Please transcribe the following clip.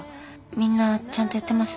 みんなちゃんとやってます？